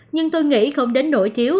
nhưng tôi nghĩ không đến nổi thiếu